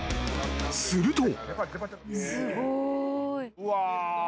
［すると］